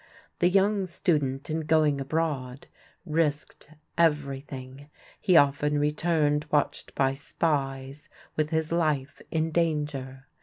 The young student in going abroad risked everything. He often returned watched by spies, with his life in danger.